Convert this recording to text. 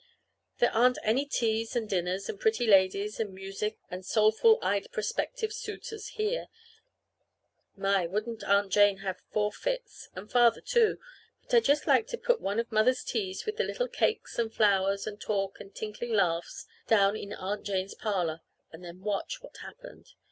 There aren't any teas and dinners and pretty ladies and music and soulful eyed prospective suitors here. My! Wouldn't Aunt Jane have four fits? And Father, too. But I'd just like to put one of Mother's teas with the little cakes and flowers and talk and tinkling laughs down in Aunt Jane's parlor, and then watch what happened.